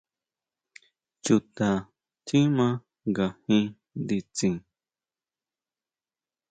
¿Chuta tjiman ngajin nditsin?